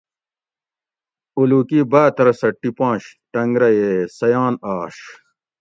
اولوکی باترسہ ٹیپنش ٹنگرہ ئے سیان آش